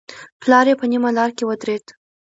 پلار يې په نيمه لاره کې ودرېد.